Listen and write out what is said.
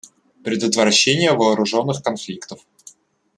Предотвращение вооруженных конфликтов.